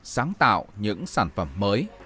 sáng tạo những sản phẩm mới